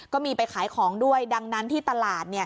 ก็มีไปขายของด้วยดังนั้นที่ตลาดเนี่ย